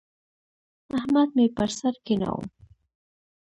احمد مې پر سر کېناوو.